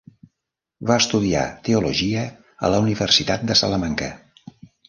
Va estudiar teologia a la Universitat de Salamanca.